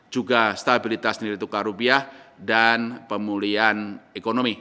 juga stabilitas nilai tukar rupiah dan pemulihan ekonomi